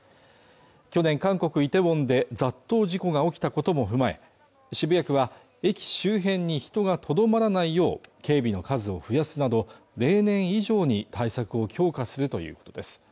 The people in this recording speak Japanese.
去年韓国イテウォンで雑踏事故が起きたことも踏まえ渋谷区は駅周辺に人がとどまらないよう警備の数を増やすなど例年以上に対策を強化するということです